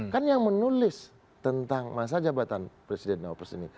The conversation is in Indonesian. kan yang menulis tentang masa jabatan presiden